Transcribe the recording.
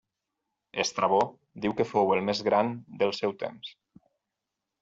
Estrabó diu que fou el més gran del seu temps.